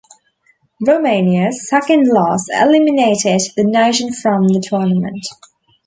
Romania's second loss eliminated the nation from the tournament.